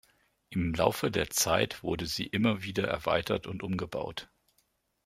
Im Laufe der Zeit wurde sie immer wieder erweitert und umgebaut.